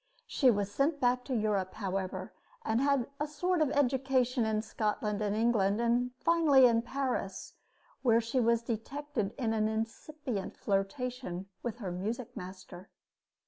She was sent back to Europe, however, and had a sort of education in Scotland and England, and finally in Paris, where she was detected in an incipient flirtation with her music master.